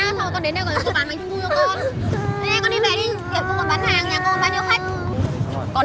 xong rồi con đến đây con bán bánh trung thu cho con